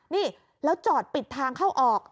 นี่แล้วจอดปิดทางเข้าออก